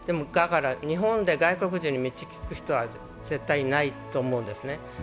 日本で外国人に道を聞く人は絶対にいないと思うんですね。